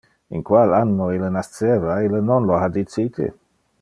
In qual anno ille nasceva, ille non lo ha dicite.